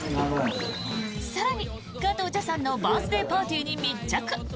更に、加藤茶さんのバースデーパーティーに密着。